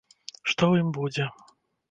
Што ў ім будзе?